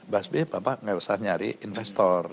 bas b bapak gak usah nyari investor